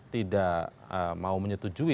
tidak mau menyetujui